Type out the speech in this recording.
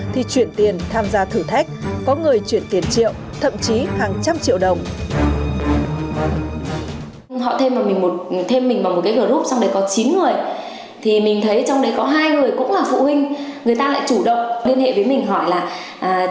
thì mình nghĩ là trong đấy có phụ huynh thật